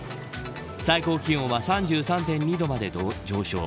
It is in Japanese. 最高気温は３３．２度まで上昇。